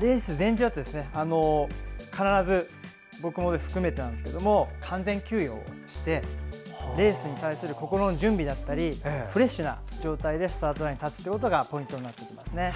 レース前日は必ず僕も含めてですが完全休養してレースに対する心の準備だったりフレッシュな状態でスタートラインに立つことがポイントになってきますね。